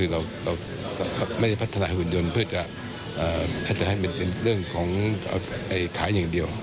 เราไม่ได้พัฒนาหุ่นยนต์เพื่อจะให้มันเป็นเรื่องของขายอย่างเดียว